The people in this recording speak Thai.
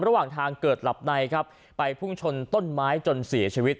ระหว่างทางเกิดหลับในครับไปพุ่งชนต้นไม้จนเสียชีวิต